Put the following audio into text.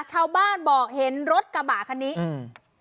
ชาวบ้านบอกเห็นรถกระบะคันนี้อืม